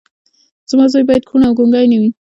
زما زوی باید کوڼ او ګونګی نه وي